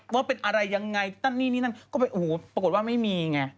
ว่าเป็นอะไรยังไงนั่นนี่นี่นั่นก็ไปโอ้โหปรากฏว่าไม่มีไง